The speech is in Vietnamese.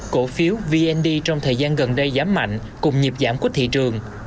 cổ phiếu vnd trong thời gian gần đây giảm mạnh cùng nhịp giảm của thị trường